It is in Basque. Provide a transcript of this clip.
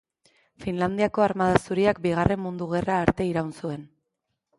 Finlandiako Armada Zuriak Bigarren Mundu Gerra arte iraun zuen.